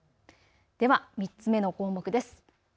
では３つ目の項目です。